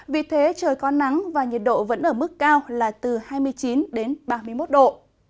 vì thế trời có nắng và nhiệt độ vẫn ở mức cao là từ hai mươi chín ba mươi một độ